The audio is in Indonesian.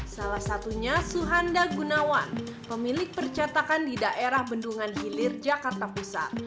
salah satunya suhanda gunawan pemilik percatakan di daerah bendungan hilir jakarta pusat